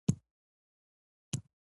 مځکه موږ ته تدبر راښيي.